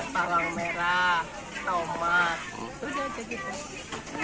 cabai merah bawang merah tomat